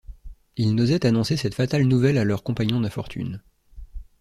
Ils n’osaient annoncer cette fatale nouvelle à leurs compagnons d’infortune!